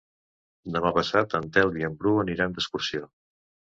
Demà passat en Telm i en Bru aniran d'excursió.